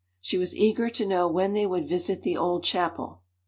She was eager to know when they would visit the old chapel.